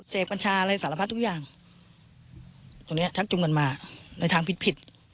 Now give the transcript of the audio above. เสพปัญชาอะไรสารพะทุกอย่างตรงนี้ชักจงกันมาในทางผิด